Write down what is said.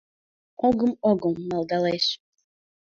Огым-огым малдалеш.